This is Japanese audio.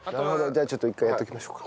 じゃあちょっと一回やっておきましょうか。